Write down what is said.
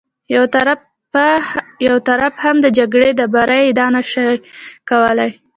یو طرف هم د جګړې د بري ادعا نه شي کولی.